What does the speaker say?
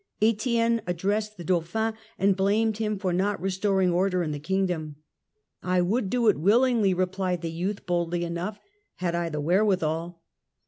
Etienne addressed the Dauphin and blamed him for not restoring order in the Kingdom. " I would do it willingly," rephed the youth boldly enough, " had I the wherewithal."